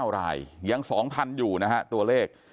๒๑๗๙รายยัง๒๐๐๐รายอยู่นะครับตัวเลข